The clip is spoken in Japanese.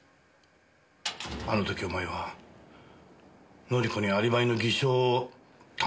あの時お前は紀子にアリバイの偽証を頼まれた。